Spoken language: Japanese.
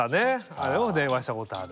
あれも電話したことある。